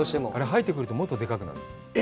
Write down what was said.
はえてくると、もっとでかくなる。